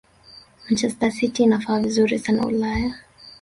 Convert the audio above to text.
manchester city inafanya vizuri sana ulaya